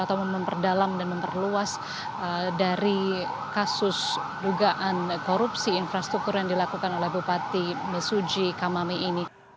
atau memperdalam dan memperluas dari kasus dugaan korupsi infrastruktur yang dilakukan oleh bupati mesuji kamami ini